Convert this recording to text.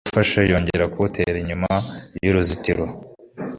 yarawufashe yongera kuwutera inyuma y'uruzitiro.